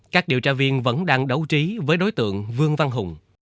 các điều tra viên vẫn đang đấu trí với đối tượng vương văn hùng